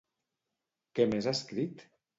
Què més ha escrit?